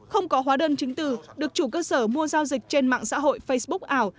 không có hóa đơn chứng từ được chủ cơ sở mua giao dịch trên mạng xã hội facebook ảo